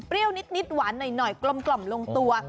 เปรี้ยวนิดหวานหน่อยกล่มลงตัว